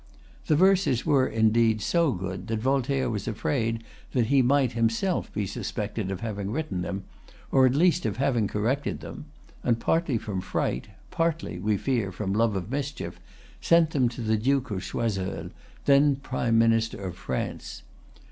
The verses were, indeed, so good that Voltaire was afraid that he might himself be suspected of having written them, or at least of having corrected them; and partly from fright, partly, we fear, from love of mischief, sent them to the Duke of Choiseul, then prime minister of France.